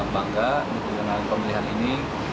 bangga dengan pembelian ini